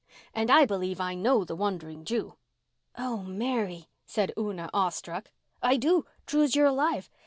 And I believe I know the Wandering Jew." "Oh, Mary," said Una, awe struck. "I do—true's you're alive.